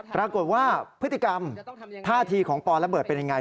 ปรากฏว่าพฤติกรรมท่าทีของปอระเบิดเป็นยังไง